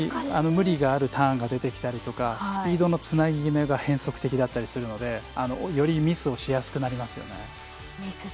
無理があるターンが出てきたりとかスピードのつなぎ目が変則的だったりするのでよりミスしやすくなりますよね。